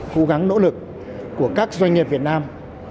cố gắng nỗ lực của các doanh nghiệp việt nam